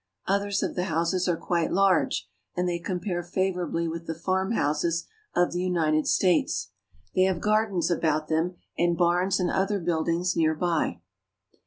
Others of the houses are quite large and they compare favorably with the farm houses of the United States. They have gardens about them and barns and other buildings near by.